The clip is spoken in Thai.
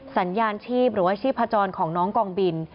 สัญญาณชีพหรือว่าชีพจรของน้องกองบิน